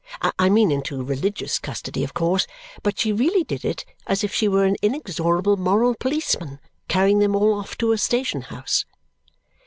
I mean into religious custody, of course; but she really did it as if she were an inexorable moral policeman carrying them all off to a station house.